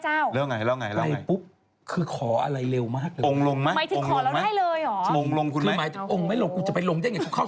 ฉันไปสัวเทาเธอชักวันหนึ่งจะต้องไปสัวเทา